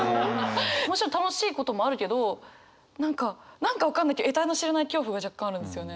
もちろん楽しいこともあるけど何か何か分かんないけどえたいの知れない恐怖が若干あるんですよね。